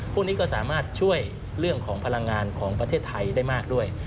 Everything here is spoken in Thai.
พวกนี้ก็สามารถช่วยเรื่องของพลังงานของประเทศไทยได้มากด้วย